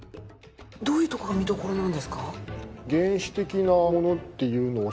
どういうとこが見どころなんですか？